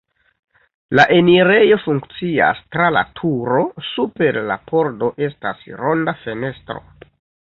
La enirejo funkcias tra la turo, super la pordo estas ronda fenestro.